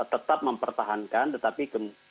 tetap mempertahankan tetapi